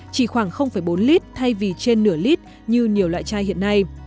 chỉ khoảng bốn lít thay vì trên nửa lít như nhiều loại chai hiện nay